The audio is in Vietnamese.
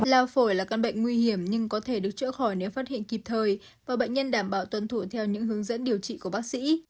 lao phổi là căn bệnh nguy hiểm nhưng có thể được chữa khỏi nếu phát hiện kịp thời và bệnh nhân đảm bảo tuân thủ theo những hướng dẫn điều trị của bác sĩ